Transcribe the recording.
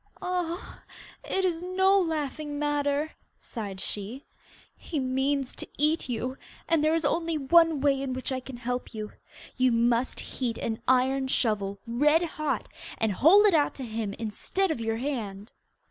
'Ah, it is no laughing matter,' sighed she. 'He means to eat you, and there is only one way in which I can help you. You must heat an iron shovel red hot, and hold it out to him instead of your hand.